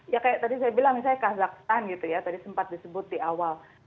ya kayak tadi saya bilang misalnya kazakhstan gitu ya tadi sempat disebut di awal